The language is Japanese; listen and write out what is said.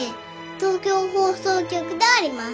東京放送局であります。